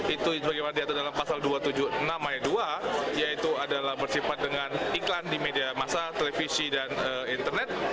itu bagaimana diatur dalam pasal dua ratus tujuh puluh enam ayat dua yaitu adalah bersifat dengan iklan di media masa televisi dan internet